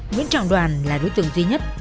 nguyễn trọng đoàn là đối tượng duy nhất